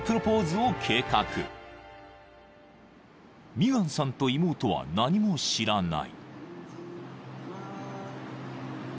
［ミガンさんと妹は何も知らない］